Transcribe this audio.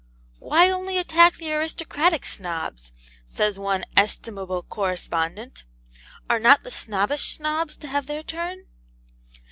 'Why only attack the aristocratic Snobs?' says one 'estimable correspondent: 'are not the snobbish Snobs to have their turn?'